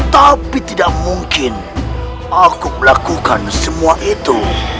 tapi tidak mungkin aku melakukan semua itu